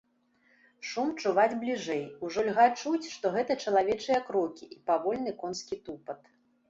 Шум чуваць бліжэй, ужо льга чуць, што гэта чалавечыя крокі і павольны конскі тупат.